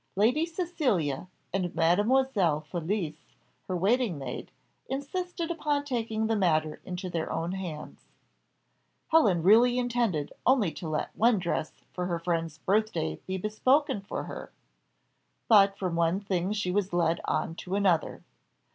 Lady Cecilia and Mademoiselle Felicie, her waiting maid, insisted upon taking the matter into their own hands. Helen really intended only to let one dress for her friend's birth day be bespoken for her; but from one thing she was led on to another.